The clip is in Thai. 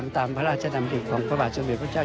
ตามพระราชดำริของพระบาทสมเด็จพระเจ้า